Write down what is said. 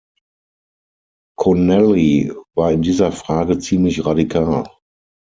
Connelly war in dieser Frage ziemlich radikal.